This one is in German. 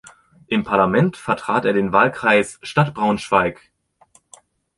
Im Parlament vertrat er den Wahlkreis Stadt Braunschweig.